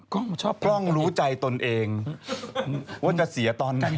กล้องรู้ใจตนเองว่าจะเสียตอนไหน